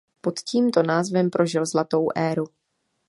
Pod tímto názvem prožil zlatou éru.